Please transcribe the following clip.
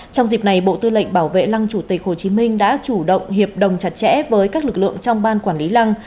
trong dịp này bộ tư lệnh bảo vệ lăng chủ tịch hồ chí minh đã chủ động hiệp đồng chặt chẽ với các lực lượng trong ban quản lý lăng